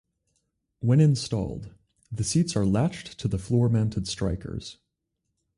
When installed, the seats are latched to floor-mounted strikers.